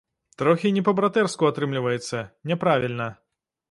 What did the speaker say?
Трохі не па-братэрску атрымліваецца, няправільна.